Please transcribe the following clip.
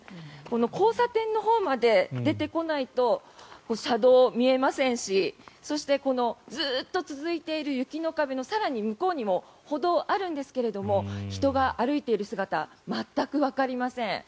交差点のほうまで出てこないと車道、見えませんしそして、ずっと続いている雪の壁の更に向こうにも歩道があるんですが人が歩いている姿全くわかりません。